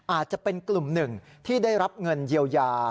อาจจะเป็นกลุ่มหนึ่งที่ได้รับเงินเยียวยา